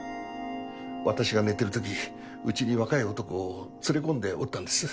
私が寝てる時家に若い男を連れ込んでおったんです。